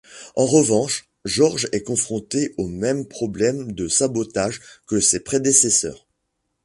En revanche, Georges est confronté au même problème de sabotage que ses prédécesseurs.